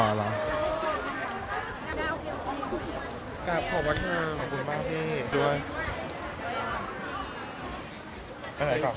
ขอบคุณมากพี่